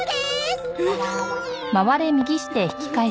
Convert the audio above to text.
えっ？